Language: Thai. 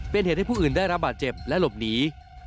เป็นเหตุให้ผู้อื่นได้รับบาดเจ็บและหลบหนี